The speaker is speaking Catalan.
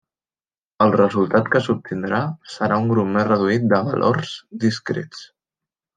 El resultat que s'obtindrà serà un grup més reduït de valors discrets.